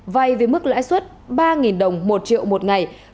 vay với mức lãi suất ba đồng một triệu một ngày